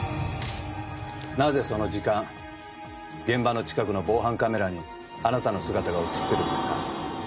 なぜその時間現場の近くの防犯カメラにあなたの姿が映ってるんですか？